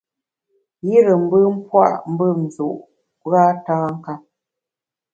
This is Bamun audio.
Yire mbùm pua’ mbùm nzu’ gha tâ nkap.